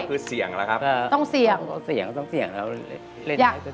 แต่คือเสี่ยงนะครับ